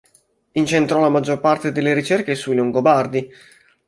Incentrò la maggior parte delle ricerche sui Longobardi.